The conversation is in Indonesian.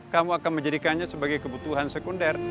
kamu akan menjadikannya sebagai kebutuhan sekunder